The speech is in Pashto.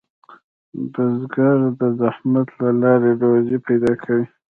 بزګر د زحمت له لارې روزي پیدا کوي